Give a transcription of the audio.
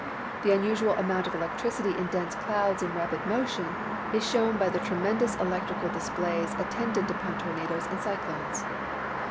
The unusual amount of electricity in dense clouds in rapid motion is shown by the tremendous electrical displays attendant upon tornadoes and cyclones.